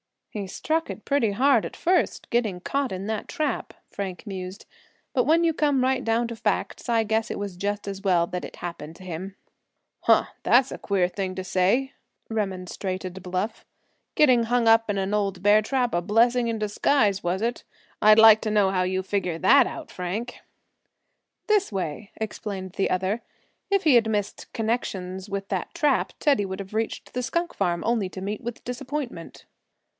"He struck it pretty hard at first, getting caught in that trap," Frank mused; "but when you come right down to facts I guess it was just as well that it happened to him." "Huh! that's a queer thing to say," remonstrated Bluff. "Getting hung up in an old bear trap a blessing in disguise, was it? I'd like to know how you figure that out, Frank." "This way," explained the other. "If he had missed connections with that trap Teddy would have reached the skunk farm only to meet with disappointment."